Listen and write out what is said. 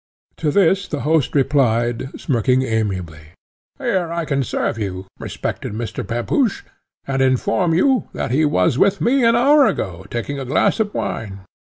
To this the host replied, smirking amiably, "Here I can serve you, respected Mr. Pepusch, and inform you, that he was with me an hour ago, taking a glass of wine.